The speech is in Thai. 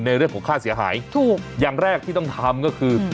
เรื่องของค่าเสียหายถูกอย่างแรกที่ต้องทำก็คือ